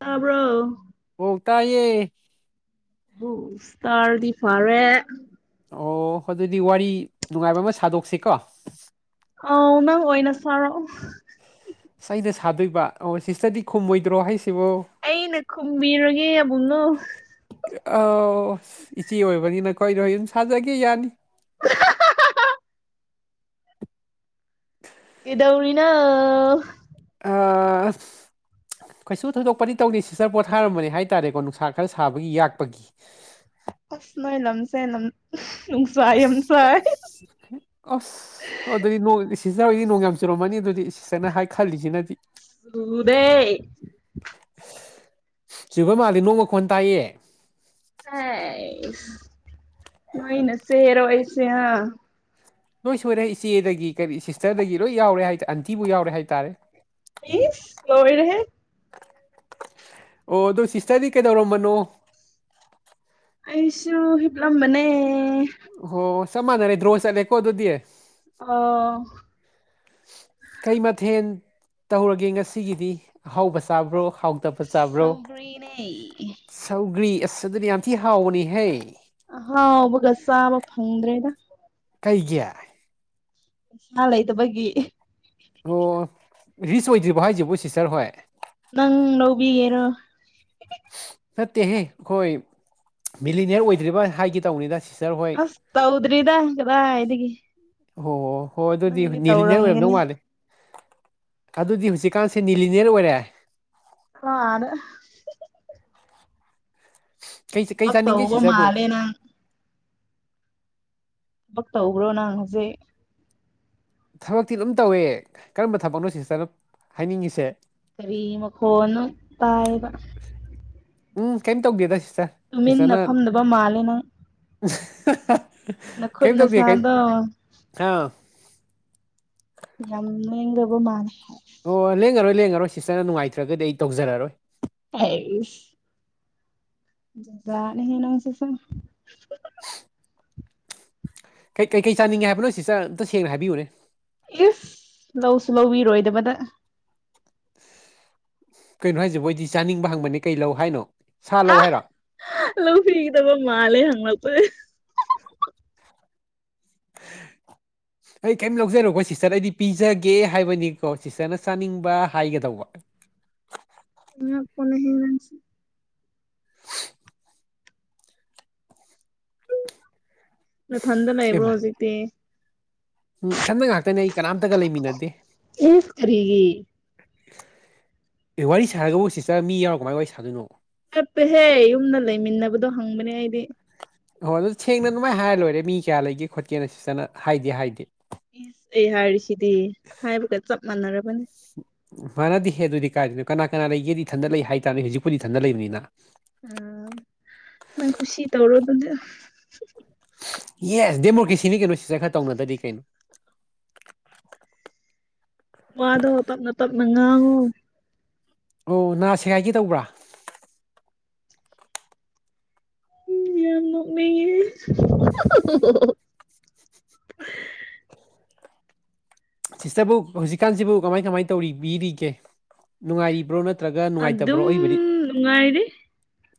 ꯇꯥꯕ꯭ꯔꯣ ꯍꯣ ꯇꯥꯌꯦ ꯑꯣ ꯇꯥꯔꯗꯤ ꯐꯔꯦ ꯑꯣ ꯑꯗꯨꯗꯤ ꯋꯥꯔꯤ ꯅꯨꯡꯉꯥꯏꯕ ꯑꯃ ꯁꯥꯗꯣꯛꯁꯤꯀꯣ ꯑꯧ ꯅꯪ ꯑꯣꯏ ꯁꯥꯔꯛ ꯑꯣ ꯑꯩꯅ ꯁꯥꯗꯣꯏꯕ ꯑꯣ ꯁꯤꯁꯇꯔꯗꯤ ꯈꯨꯝꯃꯣꯏꯗ꯭ꯔꯣ ꯍꯥꯏꯁꯤꯕꯣ ꯑꯩꯅ ꯈꯨꯝꯕꯤꯔꯒꯦ ꯑꯥꯕꯨꯡꯅꯣ ꯑꯧ ꯏꯆꯦ ꯑꯣꯏꯕꯅꯤꯅ ꯈꯣꯏꯗꯣ ꯍ ꯑꯗꯨꯝ ꯁꯥꯖꯒꯦ ꯌꯥꯅꯤ ꯀꯤꯗꯧꯔꯤꯅꯣ ꯑꯑꯁ ꯀꯩꯁꯨ ꯊꯣꯏꯗꯣꯛꯄꯗꯤ ꯇꯧꯗꯦ ꯁꯤꯁꯇꯔ ꯄꯣꯊꯥꯔꯝꯕꯅꯦ ꯍꯥꯏ ꯇꯔꯦꯀꯣ ꯅꯨꯡꯁꯥ ꯈꯔ ꯁꯥꯕꯒꯤ ꯌꯥꯛꯄꯒꯤ ꯑꯁ ꯅꯣꯏ ꯂꯝꯁꯦ ꯂꯝ ꯅꯨꯡꯁ ꯌꯥꯝ ꯁꯥꯏ ꯑꯁ ꯑꯣ ꯑꯗꯨꯗꯤ ꯅ ꯁꯤꯖꯔꯣꯏꯗꯤ ꯅꯣꯡ ꯌꯥꯝ ꯆꯨꯔꯝꯃꯅꯤ ꯑꯗꯨꯗꯤ ꯅ ꯍꯥꯏ ꯈꯜꯂꯤꯁꯤ ꯅꯗꯤ ꯆꯨꯗꯦ ꯆꯨꯕ ꯃꯥꯜꯂꯤ ꯅꯣꯡ ꯃꯈꯣꯟ ꯇꯥꯏꯌꯦ ꯍꯩꯁ ꯅꯣꯏꯅꯆꯦꯔꯣ ꯑꯩꯁꯦ ꯍꯥ ꯅꯣꯏ ꯁꯣꯏꯔꯦ ꯏꯆꯦꯗꯒꯤ ꯀꯔꯤ ꯁꯤꯁꯇꯔꯗꯒꯤ ꯂꯣꯏ ꯌꯥꯎꯔꯦ ꯍꯥꯏꯇꯥꯔꯦ ꯑꯟꯇꯤꯕꯨ ꯌꯥꯎꯔꯦ ꯍꯥꯏꯇꯥꯔꯦ ꯏꯁ ꯂꯣꯏꯔꯦꯍꯦ ꯑꯣ ꯑꯗꯨ ꯁꯤꯁꯇꯔꯗꯤ ꯀꯩꯗꯧꯔꯝꯕꯅꯣ ꯑꯩꯁꯨ ꯍꯤꯞꯂꯝꯕꯅꯦ ꯑꯣ ꯆꯞ ꯃꯥꯟꯅꯔꯦ ꯗ꯭ꯔꯣ ꯆꯠꯂꯦꯀꯣ ꯑꯗꯨꯗꯤ ꯑꯣ ꯀꯩ ꯃꯊꯦꯜ ꯇꯧꯔꯒꯦ ꯉꯁꯤꯒꯤꯗꯤ ꯑꯍꯥꯎꯕ ꯆꯥꯕ꯭ꯔꯣ ꯍꯥꯎ ꯇꯞꯄ ꯆꯥꯕ꯭ꯔꯣ ꯁꯧꯒ꯭ꯔꯤꯅꯦ ꯁꯧꯒ꯭ꯔꯤ ꯑꯁ ꯑꯗꯨꯅ ꯌꯥꯝ ꯊꯤ ꯍꯥꯎꯕꯅꯤꯍꯦ ꯍꯥꯎꯕꯒ ꯆꯥꯕ ꯐꯪꯗ꯭ꯔꯦꯗ ꯀꯩꯒꯤ ꯄꯩꯁꯥ ꯂꯩꯇꯥꯕꯒꯤ ꯑꯣ ꯔꯤꯁ ꯑꯣꯏꯗ꯭ꯔꯤꯕ ꯍꯥꯏꯁꯤꯕꯣ ꯁꯤꯁꯇꯔ ꯍꯣꯏ ꯅꯪ ꯂꯧꯕꯤꯒꯦꯔꯣ ꯅꯠꯇꯦꯍꯦ ꯑꯈꯣꯏ ꯃꯤꯂꯤꯅꯤꯌꯔ ꯑꯣꯏꯗ꯭ꯔꯤꯕ ꯍꯥꯏꯒꯦ ꯇꯧꯕꯅꯤꯗ ꯁꯤꯁ ꯑꯁ ꯇꯧꯗ꯭ꯔꯤꯗ ꯀꯗꯥꯏꯗꯒꯤ ꯑꯣ ꯍꯣ ꯍꯣꯏ ꯑꯗꯨꯗꯤ ꯅꯪꯗꯤ ꯅꯤꯂꯤꯅꯌꯔ ꯑꯣꯏꯔꯝꯗꯧ ꯇꯧꯔꯝꯒꯅꯤ ꯃꯥꯜꯂꯦ ꯑꯗꯨꯗꯤ ꯍꯨꯖꯤꯛꯀꯥꯟꯁꯦ ꯅꯤꯂꯤꯅꯤꯌꯔ ꯑꯣꯏꯔꯦ ꯍ ꯑꯗ ꯀꯩꯁ ꯀꯩ ꯊꯕꯛ ꯆꯥꯅꯤꯡꯅꯤꯒꯦ ꯇꯧꯕ ꯁꯤꯇꯔꯕꯣ ꯃꯥꯜꯂꯦ ꯅꯪ ꯊꯕꯛ ꯇꯧꯕꯔꯣ ꯅꯪ ꯍꯧꯖꯤꯛ ꯊꯕꯛꯇꯤ ꯑꯗꯨꯝ ꯇꯧꯏ ꯀꯔꯝꯕ ꯊꯕꯛꯅꯣ ꯁꯤꯁꯇꯔꯅ ꯍꯥꯏꯅꯤꯡꯉꯤꯁꯦ ꯀꯔꯤ ꯃꯈꯣꯟꯅꯣ ꯇꯥꯏꯌꯦꯕ ꯎꯝ ꯀꯦꯝ ꯇꯧꯗꯦꯗ ꯁꯤꯁꯇꯔ ꯇꯨꯃꯤꯟꯅ ꯁꯤꯁꯇꯔꯅ ꯐꯝꯗꯕ ꯃꯥꯜꯂꯦ ꯅꯪ ꯅꯈꯨꯠ ꯀꯩꯝ ꯇꯧꯗꯦ ꯀꯩꯝ ꯅꯁꯥꯗꯣ ꯑꯥ ꯌꯥꯝ ꯂꯦꯡꯗꯕ ꯃꯥꯜꯂꯦ ꯑꯣ ꯂꯦꯡꯉꯔꯣꯏ ꯂꯦꯡꯉꯔꯣꯏ ꯁꯤꯁꯇꯔꯅ ꯅꯨꯡꯉꯥꯏꯇ꯭ꯔꯒꯗꯤ ꯑꯩ ꯇꯧꯖꯔꯔꯣꯏ ꯍꯩꯁ ꯖꯠꯅꯦꯍꯦ ꯅꯪꯁꯨ ꯁꯨꯝ ꯀꯩ ꯀꯩꯀꯩ ꯆꯥꯅꯤꯡꯉꯦ ꯍꯥꯏꯕꯅꯣ ꯁꯤꯁꯇꯔ ꯑꯝꯇ ꯁꯦꯡꯅ ꯍꯥꯏꯕꯤꯌꯨꯅꯦ ꯏꯁ ꯂꯧꯁꯨ ꯂꯧꯕꯤꯔꯣꯏꯗꯕꯗ ꯀꯩꯅꯣ ꯍꯥꯏꯁꯤꯕꯣ ꯑꯩꯗꯤ ꯆꯥꯅꯤꯡꯕ ꯍꯪꯕꯅꯦ ꯀꯩ ꯂꯧ ꯍꯥꯏꯅꯣ ꯁꯥ ꯂꯧ ꯍꯥꯏꯔꯣ ꯂꯧ ꯕꯤꯒꯗꯕ ꯃꯥꯂꯦ ꯍꯩꯂꯛꯄꯁꯦ [inaudible] ꯑꯩ ꯀꯩꯝ ꯂꯧꯖꯔꯣꯏꯀꯣ ꯁꯤꯁꯇꯔ ꯑꯩꯗꯤ ꯄꯤꯖꯒꯦ ꯍꯥꯏꯕꯅꯤꯀꯣ ꯁꯤꯁꯇꯔꯅ ꯆꯥꯅꯤꯡꯕ ꯍꯥꯏꯒꯗꯧꯕ ꯑꯉꯛꯄꯅꯤꯍꯦ ꯅꯪꯁꯨ ꯅꯊꯟꯗ ꯂꯩꯕ꯭ꯔꯣ ꯑꯦꯃ ꯍꯧꯖꯤꯛꯇꯤ ꯎꯝ ꯏꯊꯟꯗ ꯉꯥꯛꯇꯅꯦ ꯑꯩ ꯀꯅꯥꯝꯇꯒ ꯂꯩꯃꯤꯟꯅꯗꯦ ꯏꯁ ꯀꯔꯤꯒꯤ ꯑꯦ ꯋꯥꯔꯤ ꯁꯥꯔꯒꯕꯨ ꯁꯤꯁꯇꯔ ꯃꯤ ꯌꯥꯎꯔ ꯀꯃꯥꯏ ꯋꯥꯔꯤ ꯁꯥꯗꯣꯏꯅꯣ ꯆꯠꯄꯦꯍꯦ ꯌꯨꯝꯗ ꯂꯩꯃꯤꯟꯅꯕꯗꯣ ꯍꯪꯕꯅꯦ ꯑꯩꯗꯤ ꯑꯣ ꯑꯗꯨ ꯁꯦꯡꯅ ꯑꯗꯨꯃꯥꯢ ꯍꯥꯏꯔ ꯂꯣꯏꯔꯦ ꯃꯤ ꯀꯌꯥ ꯂꯩꯒꯦ ꯈꯣꯠꯀꯦꯅ ꯁꯤꯁꯇꯔꯅ ꯍꯥꯏꯗꯤ ꯍꯥꯏꯗꯦ ꯫ ꯏꯁ ꯑꯩ ꯍꯥꯏꯔꯤꯁꯤꯗꯤ ꯍꯥꯏꯕꯒ ꯆꯞ ꯃꯥꯟꯅꯔꯕꯅꯤ ꯃꯥꯟꯅꯗꯤꯍꯦ ꯑꯗꯨꯗꯤ ꯀꯥꯏꯗꯣꯏꯅꯣ ꯀꯅꯥ ꯀꯅꯥ ꯂꯩꯒꯦꯗꯤ ꯢꯊꯥꯟꯗ ꯂꯩ ꯍꯥꯏꯇꯥꯕꯅꯤ ꯍꯧꯖꯤꯛꯄꯨꯗꯤ ꯏꯊꯟꯗ ꯂꯩꯕꯅꯤꯅ ꯑꯝ ꯅꯪ ꯈꯨꯁꯤ ꯇꯧꯔꯣ ꯑꯗꯨꯗꯤ ꯌꯦꯁ ꯗꯦꯃꯣꯀ꯭ꯔꯦꯁꯤꯅꯤ ꯀꯩꯅꯣ ꯁꯤꯁꯇꯔ ꯈꯔ ꯇꯧꯅꯗ꯭ꯔꯗꯤ ꯀꯩꯅꯣ꯫ ꯋꯥꯗꯣ ꯇꯞꯅ ꯇꯞꯅ ꯉꯥꯡꯉꯣ ꯑꯣ ꯅꯥ ꯁꯦꯒꯥꯏꯒꯦ ꯇꯧꯕ꯭ꯔꯥ ꯌꯥꯝ ꯅꯣꯛꯅꯤꯡꯉꯦ ꯁꯤꯁꯇꯔꯕꯨ ꯍꯧꯖꯤꯛꯀꯥꯟꯁꯤꯕꯨ ꯀꯃꯥꯏ ꯀꯃꯥꯏ ꯇꯧꯕꯤꯔꯤꯒꯦ ꯅꯨꯡꯉꯥꯏꯔꯤꯕ꯭ꯔꯣ ꯅꯠ ꯅꯠꯇ꯭ꯔꯒ ꯅꯨꯡꯉꯥꯏꯇꯕ꯭ꯔꯣ ꯑꯗꯨꯝ ꯑꯩꯕꯨꯗꯤ ꯅꯨꯡꯉꯥꯏꯔꯤ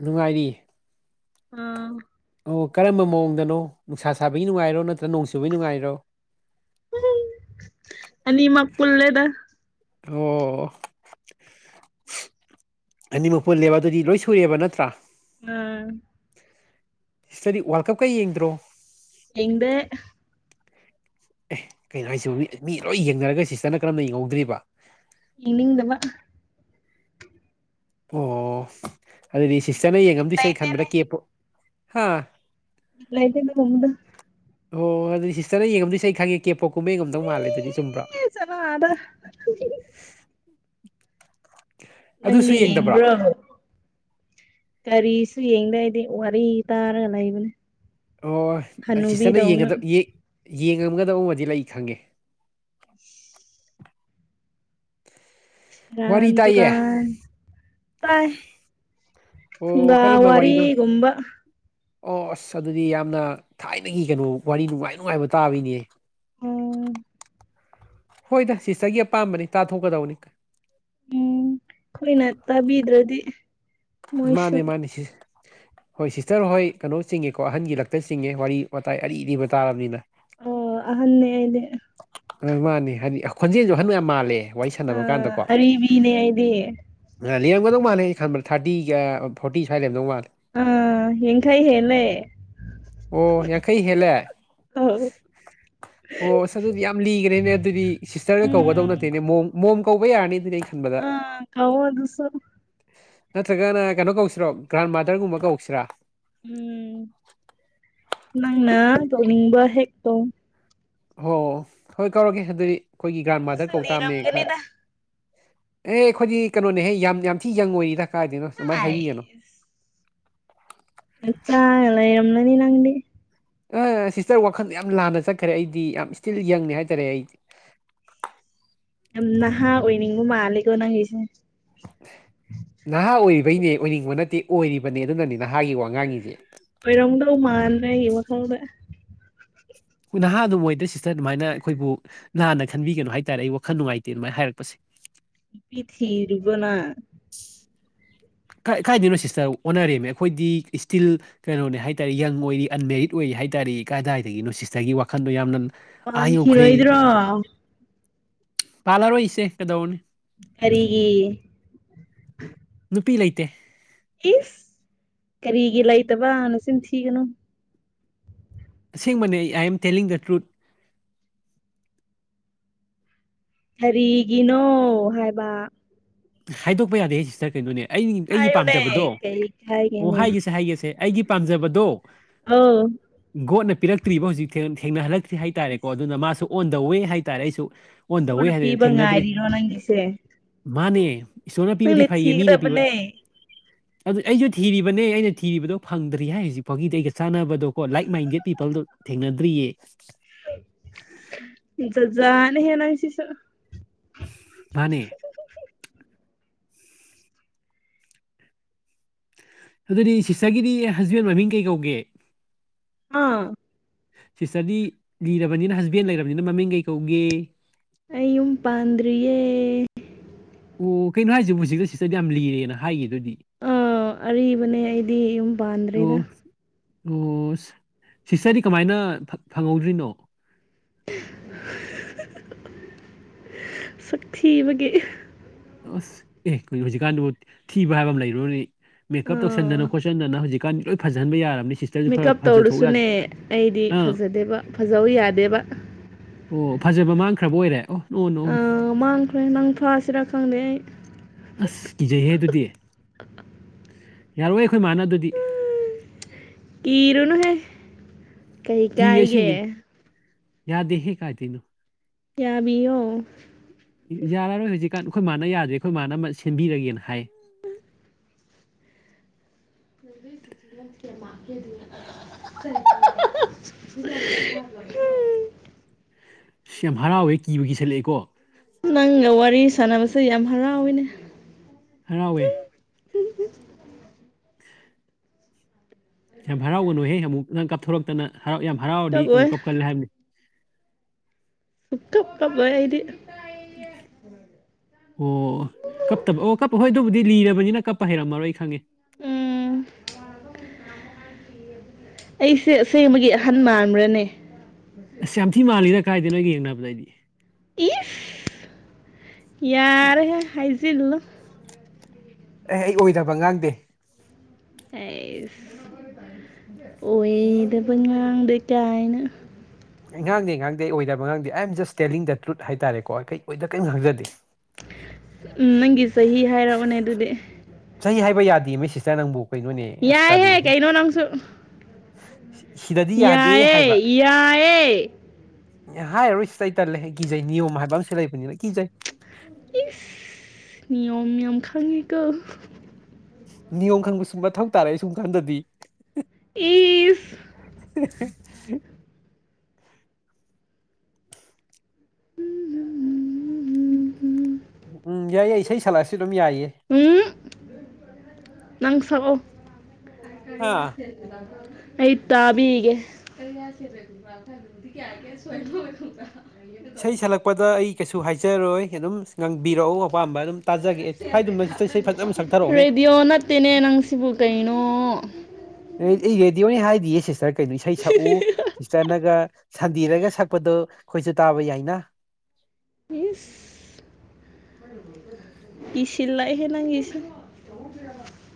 ꯅꯨꯡꯉꯥꯏꯔꯤ ꯑꯝ ꯑꯣ ꯀꯔꯝꯕ ꯃꯑꯣꯡꯗꯅꯣ ꯅꯨꯡꯁꯥ ꯁꯥꯕꯒꯤ ꯅꯨꯡꯉꯥꯏꯔꯣ ꯅꯠꯇ꯭ꯔ ꯅꯣꯡ ꯆꯨꯕꯒꯤ ꯅꯨꯡꯉꯥꯏꯔꯣ ꯑꯅꯤꯃꯛ ꯄꯨꯜꯂꯦꯗ ꯑꯣ ꯑꯣ ꯑꯅꯤꯃꯛ ꯄꯨꯜꯂꯦꯕ ꯑꯗꯨꯗꯤ ꯂꯣꯏ ꯁꯨꯔꯦꯕ ꯅꯠꯇ꯭ꯔꯥ ꯎꯝ ꯁꯤꯁꯇꯔꯗꯤ ꯋꯥꯔꯜ ꯀꯞꯀ ꯌꯦꯡꯗ꯭ꯔꯣ ꯌꯦꯡꯗꯦ ꯑꯦ ꯀꯩꯅꯣ ꯍꯥꯏꯁꯤ ꯃꯤ ꯃꯤ ꯂꯣꯏ ꯌꯦꯡꯅꯔꯒ ꯁꯤꯁꯇꯔꯅ ꯀꯔꯝꯅ ꯌꯦꯡꯍꯧꯗ꯭ꯔꯤꯕ ꯌꯦꯡꯅꯤꯡꯗꯕ ꯑꯣ ꯑꯗꯨꯗꯤ ꯁꯤꯁꯇꯔꯅ ꯕꯤꯠ ꯌꯦꯡꯉꯝꯗꯣꯏꯁꯦ ꯑꯩ ꯂꯩꯇꯦꯅꯦ ꯈꯟꯕꯗ ꯀꯦꯞꯄꯣꯞ ꯍꯥ ꯂꯩꯇꯦ ꯑꯗꯨꯒꯨꯝꯕꯗꯨ ꯑꯣ ꯍꯣꯏ ꯑꯗꯨꯗꯤ ꯁꯤꯁꯇꯔꯅ ꯌꯦꯡꯉꯝꯗꯣꯏꯁꯤ ꯑꯩ ꯈꯪꯉꯦ ꯀꯦꯄꯣꯞ ꯒꯨꯝꯕ ꯌꯦꯡꯉꯝꯗꯧ ꯃꯥꯜꯂꯦ ꯑꯗꯨꯗꯤ ꯆꯨꯝꯕ꯭ꯔꯣ ꯆꯜꯂꯣ ꯑꯗ ꯑꯗꯨꯁꯨ ꯅꯪꯗꯤ ꯌꯦꯡꯗꯕ꯭ꯔꯣ ꯌꯦꯡꯕ꯭ꯔꯣ ꯀꯔꯤꯁꯨ ꯌꯦꯡꯗꯦ ꯑꯩꯗꯤ ꯋꯥꯔꯤ ꯇꯥꯔꯒ ꯂꯩꯕꯅꯦ ꯑꯣ ꯍꯅꯨꯕꯤꯗꯧꯅ ꯁꯤꯁꯇꯔꯅꯒ ꯌꯦꯡꯉꯝꯒꯗꯕ ꯑꯃꯗꯤ ꯂꯩ ꯈꯪꯉꯦ [inaudible] ꯁꯦꯔꯥꯟ ꯋꯥꯔꯤ ꯇꯥꯏꯌꯦ ꯇꯨꯔꯥꯟ ꯇꯥꯏ ꯑꯣ ꯐꯨꯡꯒꯥ ꯀꯔꯝꯕ ꯋꯥꯔꯤꯅꯣ ꯋꯥꯔꯤꯒꯨꯝꯕ ꯑꯣ ꯑꯁ ꯑꯗꯨꯗꯤ ꯌꯥꯝꯅ ꯊꯥꯏꯅꯒꯤ ꯀꯩꯅꯣ ꯋꯥꯔꯤ ꯅꯨꯡꯉꯥꯏ ꯅꯨꯡꯉꯥꯏꯕ ꯇꯥꯕꯤꯅꯦ ꯑꯣ ꯎꯝ ꯍꯣꯏꯗ ꯁꯤꯁꯇꯒꯤ ꯑꯄꯥꯝꯕꯅꯤ ꯇꯥꯊꯣꯛꯀꯗꯕꯅꯤ ꯎꯝ ꯑꯩꯈꯣꯏꯅ ꯇꯥꯕꯤꯗ꯭ꯔꯗꯤ ꯃꯣꯏꯁꯨ ꯃꯥꯅꯦ ꯃꯥꯅꯤꯁꯤ ꯍꯣꯏ ꯁꯤꯁꯇꯔ ꯍꯣꯏ ꯀꯩꯅꯣ ꯆꯤꯡꯉꯦꯀꯣ ꯑꯍꯟꯒꯤ ꯂꯛꯇ ꯆꯤꯡꯉꯦ ꯋꯥꯔꯤ ꯋꯥꯇꯥꯏ ꯑꯔꯤꯕꯤ ꯇꯥꯔꯕꯅꯤꯅ ꯑꯣ ꯑꯍꯥꯟꯅꯦ ꯑꯩꯗꯤ ꯍ ꯃꯥꯅꯤ ꯍꯥꯏꯗꯤ ꯈꯣꯟꯖꯦꯜꯁꯨ ꯍꯟ ꯌꯥꯝ ꯃꯥꯜꯂꯦ ꯋꯥꯏ ꯑ ꯁꯥꯟꯅꯕ ꯀꯥꯟꯗꯀꯣ ꯑꯔꯤꯕꯤꯅꯦ ꯑꯩꯗꯤ ꯂꯩꯔꯝꯒꯗꯧ ꯃꯥꯜꯂꯦ ꯑꯩ ꯈꯟꯕꯗ ꯊꯥꯔꯇꯤꯒ ꯐꯣꯔꯇꯤ ꯁ꯭ꯋꯥꯏ ꯂꯩꯔꯝꯗꯧ ꯃꯥꯜꯂꯦ ꯑꯥ ꯌꯥꯡꯈꯩ ꯍꯦꯜꯂꯦ ꯑꯣ ꯌꯥꯡꯈꯩ ꯍꯦꯜꯂꯦ ꯑꯧ ꯑꯣꯁ ꯑꯗꯨꯗꯤ ꯌꯥꯝ ꯂꯤꯒꯔꯦꯅꯦ ꯑꯗꯨꯗꯤ ꯁꯤꯁꯇꯔꯒ ꯎꯝ ꯀꯧꯒꯗꯧꯅꯦ ꯇꯦꯅꯦ ꯃꯣꯝ ꯃꯣꯝ ꯀꯧꯕ ꯌꯥꯔꯅꯤ ꯑꯗꯨꯗꯤ ꯑꯩ ꯈꯟꯕꯗ ꯀꯧꯑꯣ ꯑꯗꯨꯁꯨ ꯅꯠꯇ꯭ꯔꯒꯅ ꯀꯩꯅꯣ ꯀꯧꯁꯤꯔꯣ ꯒ꯭ꯔꯥꯟ ꯃꯥꯗꯔꯒꯨꯝꯕ ꯀꯧꯁꯤꯔꯥ ꯎꯝ ꯅꯪꯅ ꯇꯧꯅꯤꯡꯕ ꯍꯦꯛꯇ ꯇꯧ ꯑꯣ ꯍꯣꯏ ꯀꯧꯔꯒꯦ ꯑꯗꯨꯗꯤ ꯑꯩꯈꯣꯏꯒꯤ ꯒ꯭ꯔꯥꯟ ꯅꯪꯁꯨ ꯃꯥꯗꯔ ꯀꯧꯇꯥꯝꯅꯦ ꯈꯔ ꯂꯤꯔꯝꯒꯅꯤꯗ ꯑꯦ ꯑꯩꯈꯣꯏꯗꯤ ꯀꯩꯅꯣꯅꯦꯍꯦ ꯌꯥꯝ ꯌꯥꯝ ꯊꯤ ꯌꯪ ꯑꯣꯏꯔꯤ ꯗ ꯀꯥꯏꯔꯗꯅꯣ ꯁꯨꯃꯥꯏꯅ ꯍꯥꯏꯕꯤꯒꯅꯨ ꯅꯆꯥꯑ ꯂꯩꯔꯝꯃꯅꯤ ꯅꯪꯗꯤ ꯁꯤꯁꯇꯔ ꯋꯥꯈꯜꯗ ꯌꯥꯝ ꯂꯥꯟꯅ ꯆꯠꯈ꯭ꯔꯦ ꯑꯩꯗꯤ ꯌꯥꯝ ꯏꯁꯇꯤꯜꯂꯤ ꯌꯪꯅꯤ ꯍꯥꯏꯇꯥꯔꯦ ꯑꯩꯗꯤ ꯌꯥꯝ ꯅꯍꯥ ꯑꯣꯏꯅꯤꯡꯕ ꯃꯥꯜꯂꯦꯀꯣ ꯅꯪꯒꯤꯁꯦ ꯅꯍꯥ ꯑꯣꯏꯔꯤꯕꯩꯅꯦ ꯑꯣꯏꯅꯤꯡꯕ ꯅꯠꯇꯦ ꯑꯣꯏꯔꯤꯕꯅꯦ ꯑꯗꯨꯅꯅꯤ ꯅꯍꯥꯒꯤ ꯋꯥꯉꯥꯡꯉꯤꯖꯦ ꯑꯣꯏꯔꯝꯗꯧ ꯃꯥꯥꯜꯂꯦ ꯑꯩꯒꯤ ꯋꯥꯈꯜꯗ ꯍꯣꯏ ꯅꯍꯥ ꯑꯗꯨꯝ ꯑꯣꯏꯗ ꯁꯤꯁꯇꯔ ꯑꯗꯨꯃꯥꯏꯅ ꯑꯩꯈꯣꯏꯕꯨ ꯂꯥꯟꯅ ꯈꯟꯕꯤꯒꯅꯨ ꯍꯥꯏꯇꯥꯔꯦ ꯑꯩ ꯋꯥꯈꯜ ꯅꯨꯡꯉꯥꯏꯇꯦ ꯑꯗꯨꯃꯥꯏꯅ ꯍꯥꯏꯔꯛꯄꯁꯦ ꯅꯨꯄꯤ ꯊꯤꯔꯤꯕꯣꯅꯪ ꯀ ꯀꯥꯏꯗꯩꯅꯣ ꯁꯤꯁꯇꯔ ꯑꯣꯟꯅꯔꯦꯝꯃꯦ ꯑꯩꯈꯣꯏꯗꯤ ꯁ꯭ꯇꯤꯜ ꯀꯩꯅꯣꯅꯦ ꯍꯥꯏꯇꯥꯥꯔꯦ ꯌꯪ ꯑꯣꯏꯔꯤ ꯑꯟꯃꯦꯔꯤꯠ ꯑꯣꯏꯔꯤ ꯍꯥꯏ ꯇꯥꯔꯦ ꯀꯗꯥꯏꯗꯒꯤꯅꯣ ꯁꯤꯁꯇꯔꯒꯤ ꯋꯥꯈꯟꯗꯣ ꯌꯥꯝꯅ ꯑ ꯌꯧꯈ꯭ꯔꯦ ꯄꯥꯟꯈꯤꯔꯣꯏꯗ꯭ꯔꯣ ꯄꯥꯜꯂꯔꯣꯏ ꯏꯆꯦ ꯀꯗꯧꯅꯤ ꯀꯔꯤꯒꯤ ꯅꯨꯄꯤ ꯂꯩꯇꯦ ꯏꯁ ꯀꯔꯤꯒꯤ ꯂꯩꯇꯕ ꯅꯆꯤꯟ ꯊꯤꯒꯅꯨ ꯑꯁꯦꯡꯕꯅꯦ I am telling the truth ꯀꯔꯤꯒꯤꯅꯣ ꯍꯥꯏꯕ ꯍꯥꯏꯗꯣꯛꯄ ꯌꯥꯗꯦꯍꯦ ꯁꯤꯁꯇꯔ ꯀꯩꯅꯣꯅꯦ ꯑꯩ ꯑꯩꯒꯤ ꯍꯥꯏꯌꯨꯅꯦ ꯄꯥꯝꯖꯕꯗꯣ ꯀꯩ ꯑꯣ ꯍꯥꯏꯒꯅꯤ ꯍꯥꯏꯒꯦꯁꯦ ꯍꯥꯏꯒꯦꯁꯦ ꯑꯩꯒꯤ ꯄꯥꯝꯖꯕꯗꯣ ꯑꯥꯎ ꯒꯣꯠꯅ ꯄꯤꯔꯛꯇ꯭ꯔꯤꯕ ꯍꯧꯖꯤꯛ ꯊꯦꯡꯅꯍꯜꯂꯛꯇ꯭ꯔꯤ ꯍꯥꯏꯇꯥꯔꯦꯀꯣ ꯑꯗꯨꯅ ꯃꯥꯁꯨ ꯑꯣꯟ ꯗ ꯋꯦ ꯍꯥꯏꯇꯥꯔꯦ ꯑꯩꯁꯨ ꯑꯣꯟ ꯗ ꯏꯁꯣꯔꯅ ꯋꯦ ꯍꯥꯏꯗꯅ ꯄꯤꯕ ꯊꯦꯡꯅꯗ꯭ꯔꯤ ꯉꯥꯏꯔꯤꯔꯣ ꯅꯪꯒꯤꯁꯦ ꯃꯥꯅꯦ ꯏꯁꯣꯔꯅ ꯄꯤꯕꯗꯤ ꯅꯪꯅ ꯐꯥꯏꯌꯦ ꯃꯤꯅ ꯄꯤꯕ ꯊꯤꯒꯗꯕꯅꯦ ꯑꯗꯨ ꯑꯩꯁꯨ ꯊꯤꯔꯤꯕꯅꯦ ꯑꯩꯅ ꯊꯤꯔꯤꯕꯗꯣ ꯐꯪꯗ꯭ꯔꯤ ꯍꯥꯏ ꯍꯧꯖꯤꯛꯐꯥꯎꯒꯤꯗꯤ ꯑꯩꯒ ꯆꯥꯅꯕꯗꯣꯀꯣ ꯂꯥꯏꯛ ꯃꯥꯏꯟꯗꯦꯠ ꯄꯤꯄꯜꯗꯣ ꯊꯦꯡꯅꯗ꯭ꯔꯤꯌꯦ ꯖꯖꯥꯠ ꯅꯦꯍꯦ ꯅꯪꯁꯤꯁꯨ ꯃꯥꯅꯤ ꯑꯗꯨꯗꯤ ꯁꯤꯁꯇꯔꯒꯤꯗꯤ ꯍꯁꯕꯦꯟ ꯃꯃꯤꯡ ꯀꯩ ꯀꯧꯒꯦ ꯑꯥ ꯁꯤꯁꯇꯔꯗꯤ ꯂꯤꯔꯕꯅꯤꯅꯕ ꯍꯁꯕꯦꯟ ꯂꯩꯔꯕꯅꯤꯅ ꯃꯃꯤꯡ ꯀꯩ ꯀꯧꯒꯦ ꯑꯩ ꯑꯌꯨꯝ ꯄꯥꯟꯗꯔꯤꯌꯦ ꯑꯣ ꯀꯩꯅꯣ ꯍꯥꯏꯁꯤꯕꯨ ꯍꯧꯖꯤꯛꯗ ꯁꯤꯁꯇꯔꯗꯤ ꯌꯥꯝ ꯂꯤꯔꯦꯅ ꯍꯥꯏꯒꯤ ꯗꯨꯗꯤ ꯑꯥ ꯑꯔꯤꯕꯅꯦ ꯑꯩꯗꯤ ꯌꯨꯝ ꯑꯣ ꯄꯥꯟꯗ꯭ꯔꯦꯗ ꯑꯣ ꯁꯤꯁꯇꯔꯗꯤ ꯀꯃꯥꯏꯅ ꯐꯪꯍꯧꯗ꯭ꯔꯤꯅꯣ ꯁꯛ ꯊꯤꯕꯒꯤ ꯑꯁ ꯑꯦ ꯀꯩꯅꫭ ꯍꯧꯖꯤꯛꯀꯥꯟꯗꯨꯕꯨ ꯊꯤꯕ ꯍꯥꯏꯕ ꯑꯃ ꯂꯩꯔꯤꯕꯅꯦ ꯃꯦꯀꯞ ꯑꯥ ꯇꯧꯁꯟꯗꯅ ꯈꯣꯠꯆꯟꯗꯅ ꯍꯧꯖꯤꯛꯀꯥꯟ ꯂꯣꯏ ꯐꯖꯟꯕ ꯌꯥꯔꯕꯅꯤ ꯁꯤ ꯃꯦꯀꯞ ꯇꯧꯔꯁꯨꯅꯦ ꯑꯩꯗꯤ ꯑꯥ ꯐꯖꯗꯦꯕ ꯐꯖꯧ ꯌꯥꯗꯦꯕ ꯑꯣ ꯐꯖꯕ ꯃꯥꯡꯈ꯭ꯔꯕ ꯑꯣꯏꯔꯦ ꯑꯣ ꯅꯣ ꯅꯣ ꯃꯥꯡꯈ꯭ꯔꯦ ꯅꯪ ꯐꯥꯁꯤꯔꯥ ꯈꯪꯗꯦ ꯑꯩ ꯑꯁ ꯀꯤꯖꯩꯍꯦ ꯑꯗꯨꯗꯤ ꯌꯥꯔꯣꯏ ꯑꯩꯈꯣꯏ ꯃꯥꯅ ꯑꯗꯨꯗꯤ ꯀꯤꯔꯨꯅꯨ ꯍꯦ ꯀꯤ ꯑꯁꯦꯡꯒꯤꯅꯤ ꯌꯥꯗꯦꯍꯦ ꯀꯥꯏꯗꯩꯅꯣ ꯌꯥꯕꯤꯌꯣ ꯌꯥꯔꯔꯣꯏ ꯍꯧꯖꯤꯛꯀꯥꯟ ꯑꯩꯈꯣꯏ ꯃꯥꯅ ꯌꯥꯗ꯭ꯔꯦ ꯑꯩꯈꯣꯏ ꯃꯥꯅ ꯑꯃ ꯁꯦꯝꯕꯤꯔꯒꯦꯅ ꯍꯥꯏꯌꯦ [unintelligible] ꯁꯤ ꯌꯥꯝ ꯍꯔꯥꯎꯋꯦ ꯀꯤꯕꯨ ꯀꯤ ꯁꯜꯂꯛꯑꯦꯀꯣ ꯅꯪꯒ ꯋꯥꯔꯤ ꯁꯥꯟꯅꯕꯁꯦ ꯌꯥꯝ ꯍꯔꯥꯎꯋꯦꯅꯦ ꯍꯔꯥꯎꯋꯦ [unintelligible] ꯌꯥꯝ ꯍꯔꯥꯎꯒꯅꯨꯍꯦ ꯑꯃꯨꯛ ꯅꯪ ꯀꯥꯞꯊꯣꯔꯛꯇꯅ ꯍꯔꯥꯎ ꯌꯥꯝ ꯍꯔꯥꯎꯔꯗꯤ ꯑꯃꯨꯛ ꯀꯞꯑꯣꯏ ꯀꯞꯀꯜꯂꯦ ꯍꯥꯏꯕꯅꯤ ꯁꯨꯡ ꯀꯞ ꯀꯞꯂꫭꯏ ꯑꯩꯗꯤ [unintelligible] ꯑꯣ ꯀꯞꯇꯕ ꯑꯣ ꯀꯞꯄ ꯍꯣꯏ ꯑꯗꯨꯕꯨꯗꯤ ꯂꯤꯔꯕꯔꯕꯅꯤꯅ ꯀꯞꯄ ꯍꯩꯔꯝꯃꯔꯣꯏ ꯈꯪꯉꯦ ꯎꯝ [inaudible] ꯑꯩꯁꯦ ꯑꯁꯦꯡꯕꯒꯤ ꯑꯍꯟ ꯃꯥꯟꯕ꯭ꯔꯅꯦ ꯑꯁ ꯌꯥꯝ ꯊꯤ ꯃꯥꯜꯂꯤꯅ ꯀꯥꯏꯗꯅꯣ ꯑꯩꯒ ꯌꯦꯡꯅꯕꯗꯗꯤ ꯏꯁ ꯌꯥꯔꯦꯍꯦ ꯍꯥꯏꯖꯤꯟꯂꫭ ꯑꯦ ꯑꯩ ꯑꯣꯏꯗꯕ ꯉꯥꯡꯗꯦ ꯑꯩꯁ ꯑꯣꯏꯗꯕ ꯉꯥꯡꯗꯦ ꯀꯥꯏꯅ ꯑꯩ ꯉꯥꯡꯗꯦ ꯉꯥꯡꯗꯦ ꯑꯣꯏꯗꯕ ꯉꯥꯡꯗꯦ I am just telling the truth ꯍꯥꯏꯇꯥꯔꯦꯀꯣ ꯑꯩ ꯑꯣꯏ ꯀꯔꯤꯝ ꯈꯪꯖꯗꯦ ꯎꯝ ꯅꯪꯒꯤ ꯆꯍꯤ ꯍꯥꯏꯔꯛ ꯑꫭꯅꯦ ꯑꯗꯨꯗꯤ ꯆꯍꯤ ꯍꯥꯏꯕ ꯌꯥꯗꯦ ꯃꯤ ꯁꯤꯁꯇꯔ ꯅꯪꯕꯨ ꯀꯩꯅꯣꯅꯦ ꯑꯁ ꯌꯥꯏ ꯍꯦ ꯇꯜꯂꯤꯍꯦ ꯀꯩꯅꯣ ꯅꯪꯁꯨ [inaudible] ꯌꯥꯗꯦ ꯌꯥꯏꯌꯦ ꯌꯥꯏꯌꯦ ꯑꯦ ꯍꯥꯏꯔꯔꯣꯏ ꯁꯤꯇꯔ ꯑꯩ ꯇꯜꯂꯦ ꯀꯤꯖꯩ ꯅꯤꯌꯣꯝ ꯍꯥꯏꯕ ꯑꯃꯁꯨ ꯂꯩꯕꯅꯤꯅ ꯀꯤꯖꯩ ꯏꯁ ꯅꯤꯌꯣꯝ ꯌꯥꯝ ꯈꯪꯉꯤꯀꯣ ꯅꯤꯌꯣꯝ ꯈꯪꯕꯁꯨ ꯃꯊꯧ ꯇꯥꯔꯛꯦ ꯁꯨꯝ ꯀꯥꯟꯗꯗꯤ [unintelligible] [unintelligible] ꯎꯝ ꯎꯝ ꯌꯥꯏꯌꯦ ꯏꯁꯩ ꯁꯛꯂꯛꯑꯁꯨ ꯑꯗꯨꯝ ꯌꯥꯏꯌꯦ ꯎꯝ ꯅꯪ ꯁꯛꯑꫭ ꯍꯥ ꯑꯩ ꯇꯥꯕꯤꯒꯦ [unintelligible] ꯏꯁꯩ ꯁꯛꯂꯛꯄꯗ ꯑꯩ ꯀꯩꯁꯨ ꯍꯥꯏꯖꯔꯣꯏ ꯑꯗꯨꯝ ꯉꯪꯕꯤꯔꯛꯎ ꯑꯄꯥꯝꯕ ꯑꯗꯨꯝ ꯇꯥꯖꯒꯦ ꯍꯥꯏꯒꯨꯝꯅ ꯁꯤꯁꯇꯔ ꯏꯁꯩ ꯐꯖꯅ ꯁꯛꯊꯔꯛꯎꯅꯦ ꯍꯩꯇꯦꯅꯦ ꯅꯪ ꯁꯤꯕꯨ ꯀꯩꯅꯣ ꯑꯩ ꯌꯦꯗꯤꯑꯣꯅꯤ ꯍꯥꯏꯗꯦꯌꯦ ꯁꯤꯁꯇꯔ ꯀꯩꯅꯣ ꯏꯁꯩ ꯁꯛꯎ ꯁꯤꯁꯇꯔꯅꯒ ꯁꯟꯗꯦꯗꯒ ꯁꯛꯄꯗꯣ ꯑꯩꯈꯣꯏꯁꯨ ꯇꯥꯕ ꯌꯥꯏꯅ ꯢꯁ ꯀꯤꯁꯤꯜꯂꯛꯑꯦꯍꯦ ꯅꯪꯒꯤꯁꯨ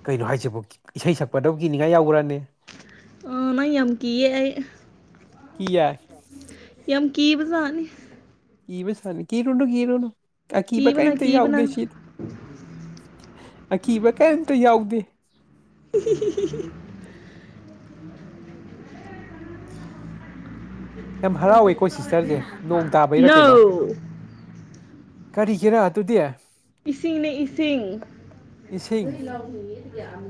ꯀꯩꯅꯣ ꯍꯥꯏꯁꯤꯕꯨ ꯏꯁꯩ ꯁꯛꯄꯗꯕꯨ ꯀꯤꯅꯤꯡꯉꯥꯏ ꯌꯥꯎꯕ꯭ꯔꯅꯦ ꯑꯝ ꯅꯪ ꯌꯥꯝ ꯀꯤꯌꯦ ꯑꯩ ꯀꯤꯌꯦ ꯌꯥꯝ ꯀꯤꯕ ꯖꯥꯠꯅꯤ ꯀꯤꯕ ꯁꯥꯅꯤ ꯀꯤꯔꯨꯅꯨ ꯀꯤꯔꯨꯅꯨ ꯑꯀꯤꯕ ꯀꯤꯕꯅ ꯀꯩꯝꯇ ꯀꯤꯕꯅ ꯌꯥꯎꯗꯦ ꯁꯤꯗ ꯑꯀꯤꯕ ꯀꯔꯤꯝꯇ ꯌꯥꯎꯗꯦ [unintelligible] ꯌꯥꯝ ꯍꯔꯥꯎꯋꯤ ꯀꯣ ꯁꯤꯁꯇꯔꯁꯦ ꯅꯣꯡ ꯇꯥꯕꯩꯔ ꯅꯣ ꯀꯩꯅꯣ ꯀꯔꯤꯒꯤꯔ ꯑꯗꯨꯗꯤ ꯏꯁꯤꯡꯅꯦ ꯏꯁꯤꯡ ꯏꯁꯤꯡ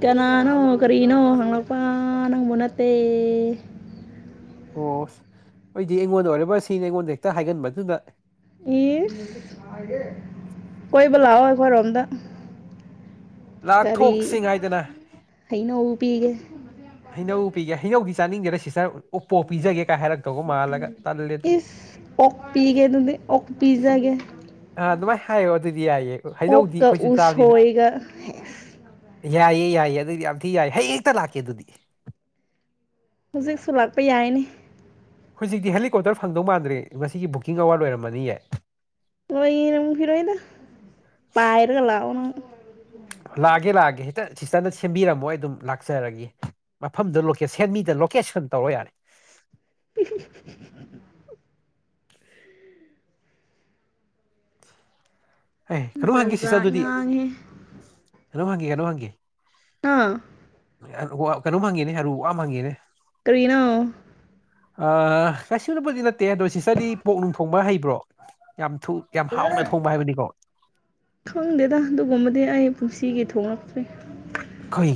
ꯀꯅꯥꯅꯣ ꯀꯔꯤꯅꯣ ꯍꯪꯂꯛꯄ ꯅꯪꯕꯨ ꯅꯠꯇꯦ ꯑꯣ ꯑꯩꯗꯤ ꯑꯩꯉꯣꯟꯗ ꯑꯣꯏꯔꯕ ꯁꯤꯅꯤ ꯑꯩꯉꯣꯟꯗ ꯍꯦꯛꯇ ꯍꯥꯏꯒꯟꯕꯗꯨꯗ ꯢꯁ ꯀꯣꯏꯕ ꯂꯥꯛꯑꯣ ꯑꯩꯈꯣꯏꯔꯣꯝꯗ ꯀꯔꯤ ꯂꯥꯛꯊꯣꯛꯁꯤ ꯍꯥꯏꯗꯅ ꯍꯩꯅꯧ ꯄꯤꯒꯦ ꯍꯩꯅꯧ ꯄꯤꯒꯦ ꯍꯩꯅꯧꯗꯤ ꯆꯥꯅꯤꯡꯗꯦꯗ ꯁꯤꯁꯇꯔ ꯄꯣꯛ ꯄꯤꯖꯒꯦ ꯀꯥꯏ ꯍꯥꯏꯔꯛꯇꯧꯒ ꯃꯥꯜꯂꯒ ꯇꯜꯂꯦꯗ ꯏꯁ ꯑꯣꯛ ꯄꯤꯒꯦ ꯑꯗꯨꯗꯤ ꯑꯣꯛ ꯄꯤꯖꯒꯦ ꯑꯥ ꯑꯗꯨꯃꯥꯏꯅ ꯍꯥꯏꯌꯣ ꯑꯗꯨꯗꯤ ꯌꯥꯏꯌꯦ ꯍꯩꯅꯧꯗꯤ ꯑꯣꯛꯀ ꯑꯩꯈꯣꯏꯁꯨ ꯆꯥꯕꯅꯤꯅ ꯎꯁꯣꯏꯒ ꯌꯥꯏꯌꯦ ꯌꯥꯏꯌꯦ ꯑꯗꯨꯗꯤ ꯌꯥꯝ ꯊꯤ ꯌꯥꯏ ꯍꯌꯦꯡ ꯍꯦꯛꯇ ꯂꯥꯛꯀꯦ ꯑꯗꯨꯗꯤ ꯍꯧꯖꯤꯛꯁꯨ ꯂꯥꯛꯄ ꯌꯥꯏꯅꯦ ꯍꯧꯖꯤꯛꯇꯤ ꯍꯦꯂꯤꯀꯣꯞꯇꯔ ꯐꯪꯗꯧ ꯃꯥꯟꯗ꯭ꯔꯦ ꯉꯁꯤꯒꯤ ꯕꯨꯛꯀꯤꯡ ꯑꯋꯥꯔ ꯂꯣꯏꯔꯝꯃꯅꯤꯌꯦ ꯂꯣꯏꯔꯝꯈꯤꯔꯣꯏꯗ ꯄꯥꯏꯔꯒ ꯂꯥꯛꯑꯣ ꯅꯪ ꯂꯥꯛꯑꯒꯦ ꯂꯥꯛꯑꯒꯦ ꯍꯦꯛꯇ ꯁꯤꯁꯇꯔꯅ ꯁꯦꯝꯕꯤꯔꯝꯃꯣ ꯑꯩ ꯑꯗꯨꯝ ꯂꯥꯛꯆꯔꯒꯦ ꯃꯐꯝꯗꯣ ꯂꯣꯀꯦ ꯁꯦꯟꯃꯤꯗ ꯂꯣꯀꯦꯁꯟ ꯇꯧꯔꯣ ꯌꯥꯔꯦ [unintelligible] ꯑꯦ ꯀꯩꯅꯣꯝ ꯖꯥꯠ ꯍꯪꯒꯦ ꯁꯤꯁꯇꯔ ꯖꯥꯠ ꯑꯗꯨꯗꯤ ꯉꯥꯡꯉꯦꯍꯦ ꯀꯩꯅꯣꯝ ꯍꯪꯒꯦ ꯀꯩꯅꯣꯝ ꯍꯪꯒꯦ ꯑꯥ ꯀꯩꯅꯣ ꯍꯪꯒꯦꯅꯦ ꯑꯔꯨꯕ ꯋꯥ ꯑꯃ ꯍꯪꯒꯦꯅꯦ ꯀꯔꯤꯅꯣ ꯑ ꯀꯩꯁꯨꯕꯨꯗꯤ ꯅꯠꯇꯦ ꯑꯗꯣ ꯁꯤꯁꯇꯔꯗꯤ ꯄꯣꯛ ꯅꯣꯡ ꯊꯣꯡꯕ ꯍꯩꯕ꯭ꯔꯣ ꯌꯥꯝ ꯊꯨ ꯌꯥꯝ ꯍꯥꯎꯅ ꯊꯣꯡꯕ ꯍꯥꯏꯕꯅꯤꯀꯣ ꯈꯪꯗꯦꯗ ꯑꯗꯨꯒꯨꯝꯕꯗꯤ ꯑꯩ ꯄꯨꯟꯁꯤꯒꯤ ꯊꯣꯛꯂꯛꯇ꯭ꯔꯤ ꯀꯩ